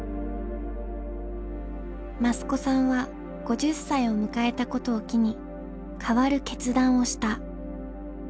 益子さんは５０歳を迎えたことを機に変わる決断をした。